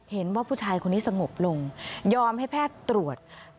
เห็นว่าผู้ชายคนนี้สงบลงยอมให้แพทย์ตรวจ